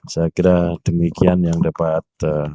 saya kira demikian yang dapat